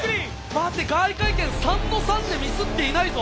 待って蓋壊拳３の３でミスっていないぞ！